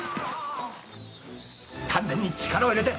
丹田に力を入れて！